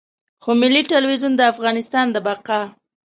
خو ملي ټلویزیون د افغانستان د بقا.